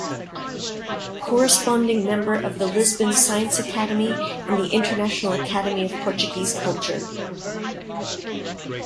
Corresponding member of the Lisbon Science Academy and the International Academy of Portuguese Culture.